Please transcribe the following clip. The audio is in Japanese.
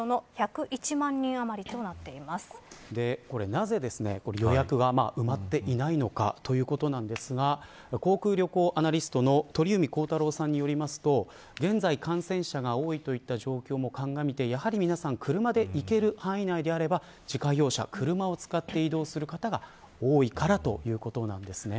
なぜ予約が埋まっていないのかということですが航空・旅行アナリストの鳥海高太朗さんによりますと現在、感染者が多いといった状況も鑑みて皆さん車で行ける範囲内であれば自家用車を使って移動する方が多いからということです。